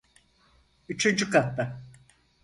Üçüncü katta.